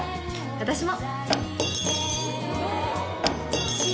私も。